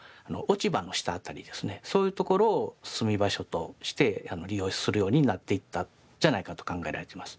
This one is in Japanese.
そういうところを住み場所として利用するようになっていったんじゃないかと考えられてます。